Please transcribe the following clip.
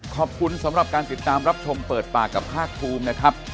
ขอบคุณสำหรับการติดตามรับชมเปิดปากกับภาคภูมินะครับ